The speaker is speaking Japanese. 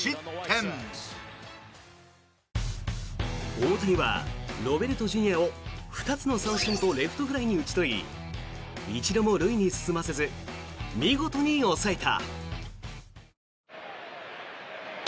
大谷はロベルトＪｒ．を２つの三振とレフトフライに打ち取り一度も塁に進ませず見事に抑えた。